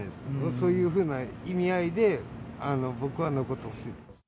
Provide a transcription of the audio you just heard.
そういうふうな意味合いで、僕は残ってほしい。